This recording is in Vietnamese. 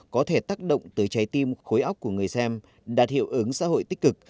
có thể tác động tới trái tim khối óc của người xem đạt hiệu ứng xã hội tích cực